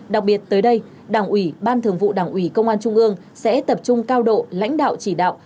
đặc biệt tới đây đảng ủy ban thường vụ đảng ủy công an trung ương sẽ tập trung cao độ lãnh đạo chỉ đạo